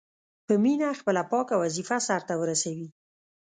په مینه خپله پاکه وظیفه سرته ورسوي.